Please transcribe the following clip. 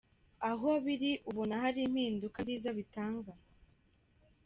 Aho biri ubona hari impinduka nziza bitanga.